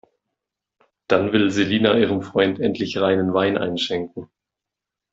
Dann will Selina ihrem Freund endlich reinen Wein einschenken.